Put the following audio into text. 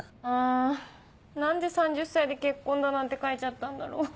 あ何で「３０歳で結婚」だなんて書いちゃったんだろ。